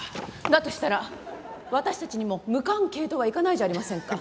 だとしたら私たちにも無関係とはいかないじゃありませんか。